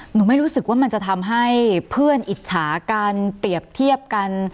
ไม่รู้สึกว่ามันจะทำให้เพื่อนอิจฉาการเปรียบเทียบกัน